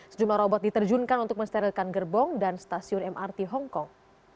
sejumlah robot diterjunkan untuk mensterilkan gerbong dan stasiun mrt hongkong